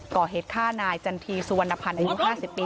ก่อเหตุฆ่านายจันทีสุวรรณพันธ์อายุ๕๐ปี